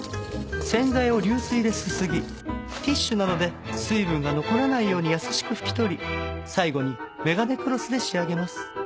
洗剤を流水ですすぎティッシュなどで水分が残らないように優しく拭き取り最後に眼鏡クロスで仕上げます。